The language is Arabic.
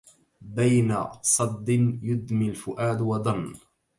بين صد يدمى الفؤاد وضن